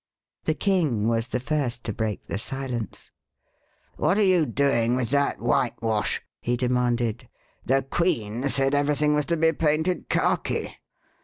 The King was the first to break the silence. '*What are you doing with that whitewash ?" he demanded. The Queen said every thing was to be painted khaki."